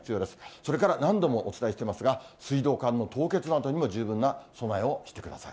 それから何度もお伝えしていますが、水道管の凍結などにも十分な備えをしてください。